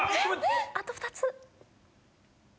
あと２つ。